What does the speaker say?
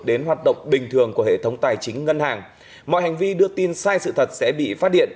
đến hoạt động bình thường của hệ thống tài chính ngân hàng mọi hành vi đưa tin sai sự thật sẽ bị phát điện